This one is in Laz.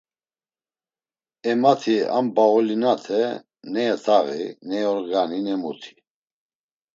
E mati a mbağulinate; ne yataği, ne yorgani, ne muti…